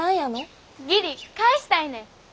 義理返したいねん。